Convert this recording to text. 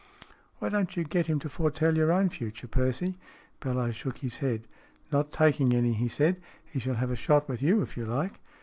" Why don't you get him to foretell your own future, Percy ?" Bellowes shook his head. " Not taking any," he said. " He shall have a shot with you if you like."